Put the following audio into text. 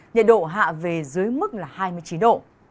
nhiệt độ hạ về dưới mức là hai mươi chín độ